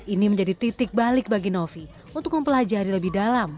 ini menjadi titik balik bagi novi untuk mempelajari lebih dalam